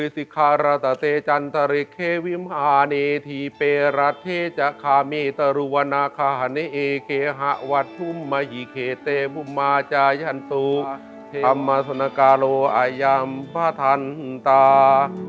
สเตภุมมาเจายันตุพรรมสถกลอายัมภาษธรรณตา